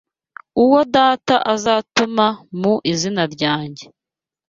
uwo Data azatuma mu izina ryanjye